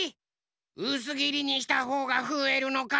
うすぎりにしたほうがふえるのか。